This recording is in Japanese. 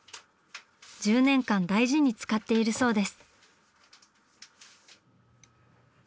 １０年間大事に使っているそうです。